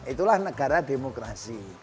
itulah negara demokrasi